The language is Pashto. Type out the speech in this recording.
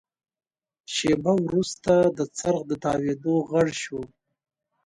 شېبه وروسته د څرخ د تاوېدو غږ شو.